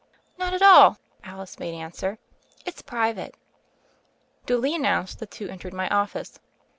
"Not at all," Alice made answer. "It's private." Duly announced, the two entered my office.